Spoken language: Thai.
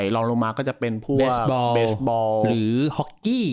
ลองลงมาก็จะเป็นพวกเบสบอลหรือฮอกกี้